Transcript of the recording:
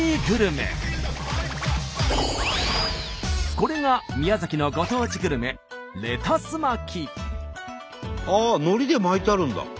これが宮崎のご当地グルメああのりで巻いてあるんだ。